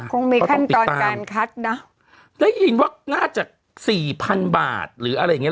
คงมีขั้นตอนการคัดนะได้ยินว่าน่าจะสี่พันบาทหรืออะไรอย่างเงี้